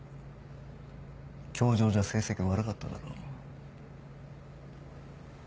教場じゃ成績悪かっただろ。